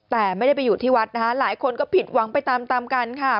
แต่ไม่ได้ไปอยู่ที่วัดนะคะหลายคนก็ผิดหวังไปตามตามกันค่ะ